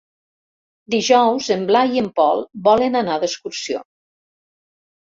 Dijous en Blai i en Pol volen anar d'excursió.